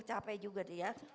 capek juga dia